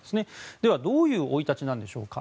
では、どういう生い立ちなのでしょうか。